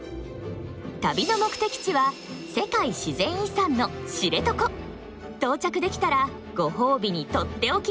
旅の目的地は到着できたらご褒美にとっておきの自然体験。